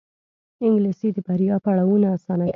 انګلیسي د بریا پړاوونه اسانه کوي